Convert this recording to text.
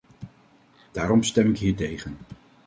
Daarom stem ik hier tegen.